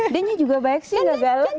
dia juga baik sih gak galau